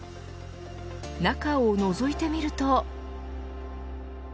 中をのぞいてみると。